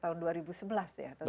tahun dua ribu sebelas ya